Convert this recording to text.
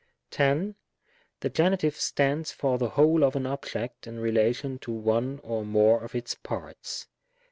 10. The Gen. stands for the whole of an object in relation to one or more of its parts.